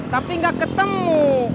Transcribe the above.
tapi nggak ketemu